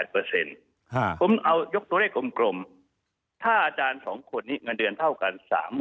ผมเอายกตัวเลขกลมถ้าอาจารย์๒คนนี้เงินเดือนเท่ากัน๓๐๐๐